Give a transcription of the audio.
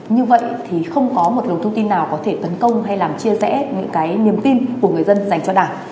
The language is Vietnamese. như vậy thì không có một luồng thông tin nào có thể tấn công hay làm chia rẽ những cái niềm tin của người dân dành cho đảng